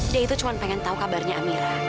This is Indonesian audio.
dia itu cuma pengen tahu kabarnya amira